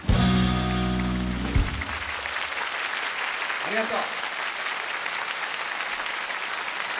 ありがとう。